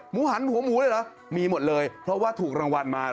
หันหัวหมูเลยเหรอมีหมดเลยเพราะว่าถูกรางวัลมา